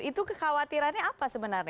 itu kekhawatirannya apa sebenarnya